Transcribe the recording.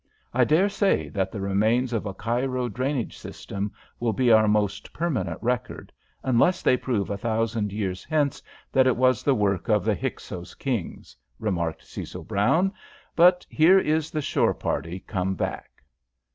I dare say that the remains of a Cairo drainage system will be our most permanent record, unless they prove a thousand years hence that it was the work of the Hyksos kings," remarked Cecil Brown. "But here is the shore party come back."